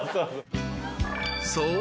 ［そう。